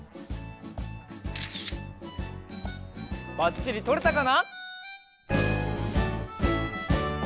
ばっちりとれたかな？